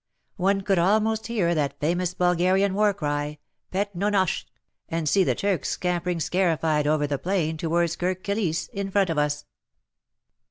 One could almost hear that famous Bulgarian war cry, *' Pet Nonosch," and see the Turks scampering scarified over the plain tov/ards Kirk Kilisse, in front of us.